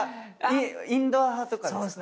インドア派とかですか？